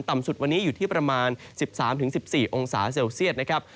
ต่ำสุดวันนี้อยู่ที่ประมาณ๑๓๑๔องศาเซลเซียตนะครับ